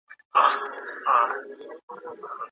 په لږ وخت کي سوې بد بویه زرغونې سوې